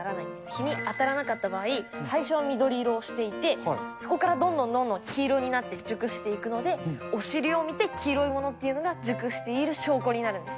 日に当たらなかった場合、最初は緑色をしていて、そこからどんどんどんどん黄色になって、熟していくので、お尻を見て、黄色いものっていうのが、熟している証拠になるんです。